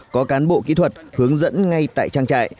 có cán bộ kỹ thuật hướng dẫn ngay tại trang trại